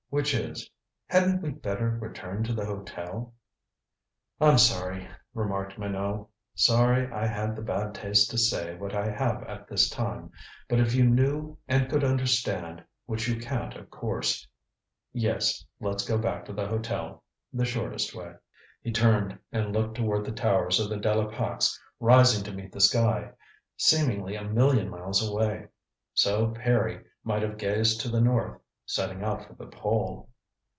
Which is hadn't we better return to the hotel?" "I'm sorry," remarked Minot. "Sorry I had the bad taste to say what I have at this time but if you knew and could understand which you can't of course Yes, let's go back to the hotel the shortest way." He turned, and looked toward the towers of the De la Pax rising to meet the sky seemingly a million miles away. So Peary might have gazed to the north, setting out for the Pole.